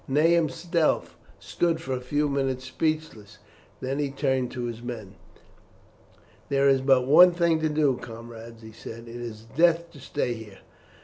Ney himself stood for a few minutes speechless, then he turned to his men. "There is but one thing to do, comrades," he said. "It is death to stay here.